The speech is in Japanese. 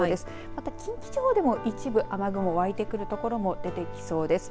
また、近畿地方でも一部雨雲がわいてくる所も出てきそうです。